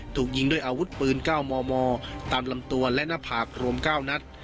ถูกยิงด้วยอาวุธปืน๙มมตามลำตัวและหน้าผากรวม๙นัด